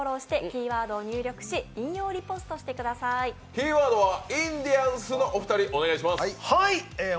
キーワードはインディアンスのお二人、お願いします。